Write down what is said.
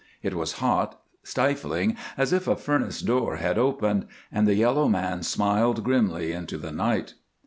It was hot, stifling, as if a furnace door had opened, and the yellow man smiled grimly into the night.